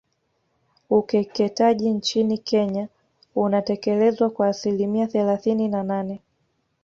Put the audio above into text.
Ukeketaji nchini Kenya unatekelezwa kwa asilimia thelathini na nane